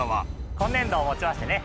今年度をもちましてね